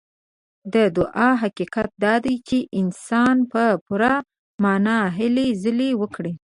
د دعا حقيقت دا دی چې انسان په پوره معنا هلې ځلې وکړي.